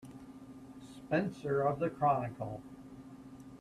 Spencer of the Chronicle.